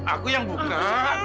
aku yang buka